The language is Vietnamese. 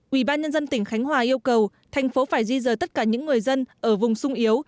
ubnd tỉnh khánh hòa yêu cầu thành phố phải di rời tất cả những người dân ở vùng sung yếu